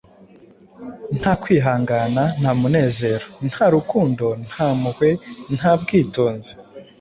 nta kwihangana, nta munezero, nta rukundo, nta mpuhwe, nta bwitonzi